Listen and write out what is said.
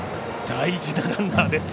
大事なランナーです。